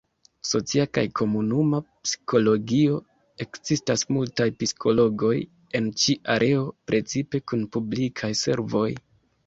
Socia kaj Komunuma Psikologio: Ekzistas multaj psikologoj en ĉi areo, precipe kun publikaj servoj.